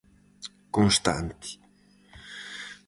Constante.